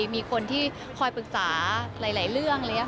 มีคนที่คอยปรึกษาหลายเรื่อง